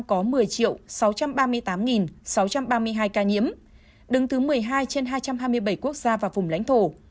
kể từ đầu dịch đến nay việt nam có một mươi sáu trăm ba mươi tám sáu trăm ba mươi hai ca nhiễm đứng thứ một mươi hai trên hai trăm hai mươi bảy quốc gia và vùng lãnh thổ